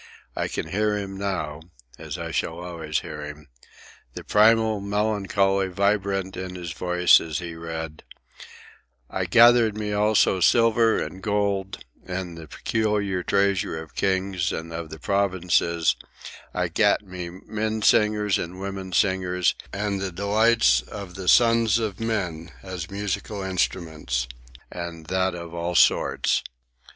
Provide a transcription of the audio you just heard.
I can hear him now, as I shall always hear him, the primal melancholy vibrant in his voice as he read: "I gathered me also silver and gold, and the peculiar treasure of kings and of the provinces; I gat me men singers and women singers, and the delights of the sons of men, as musical instruments, and that of all sorts.